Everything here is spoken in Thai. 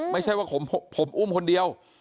ไม่ใช่ว่าผมอุ้มคนเดียว